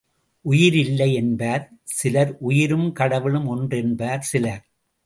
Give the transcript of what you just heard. உயிர் இல்லை என்பார் சிலர் உயிரும் கடவுளும் ஒன்று என்பார் சிலர்.